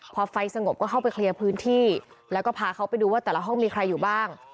พอไฟสงบก็เข้าไปเคลียร์พื้นที่แล้วก็พาเขาไปดูว่าแต่ละห้องมีใครอยู่บ้าง